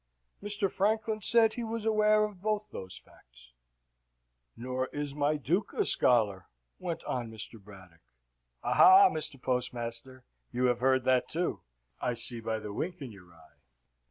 Mr. Franklin said he was aware of both those facts. "Nor is my Duke a scholar," went on Mr. Braddock "aha, Mr. Postmaster, you have heard that, too I see by the wink in your eye."